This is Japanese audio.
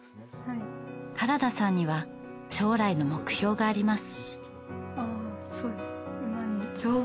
原田さんには将来の目標があります。